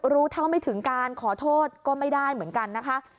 รู้เท่าไม่ถึงการขอโทษก็ไม่ได้เหมือนกันนะคะ